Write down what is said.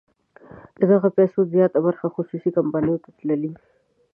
د دغه پیسو زیاته برخه خصوصي کمپنیو ته تللې.